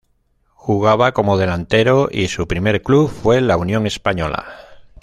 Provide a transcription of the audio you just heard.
Jugaba como delantero y su primer club fue la Unión Española.